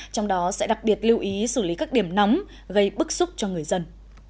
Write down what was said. trong đó sẽ đặc biệt lưu ý xử lý các điểm nóng gây bức xúc cho người dân